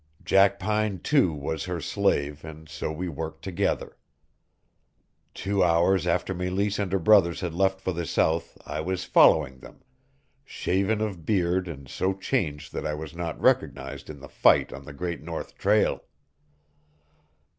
Jackpine, too, was her slave, and so we worked together. Two hours after Meleese and her brothers had left for the South I was following them, shaven of beard and so changed that I was not recognized in the fight on the Great North Trail.